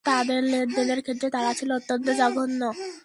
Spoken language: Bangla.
তাদের লেন-দেনের ক্ষেত্রে তারা ছিল অত্যন্ত জঘন্য।